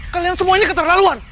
kalian semua ini keterlaluan